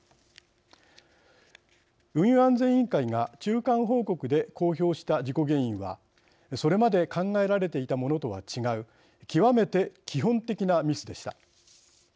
運輸安全委員会が中間報告で公表した事故原因はそれまで考えられていたものとは違う極めて基本的なミスでした。